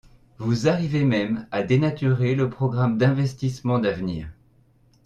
Vous arrivez même à dénaturer le programme d’investissement d’avenir.